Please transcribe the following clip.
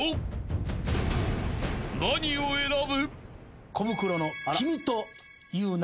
［何を選ぶ？］